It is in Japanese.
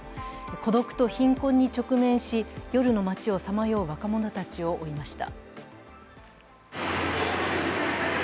孤独と貧困に直面し、夜の街をさまよう若者たちを追いました。